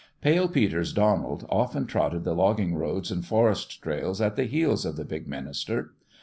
Pale Peter's Donald often trotted the logging roads and forest trails at the heels of the big minister.